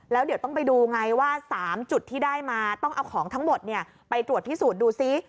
แล้วเดี๋ยวต้องไปดูไงว่า๓จุดที่ได้มาต้องเอาของทั้งหมดไปตรวจพิสูจน์ดูซิ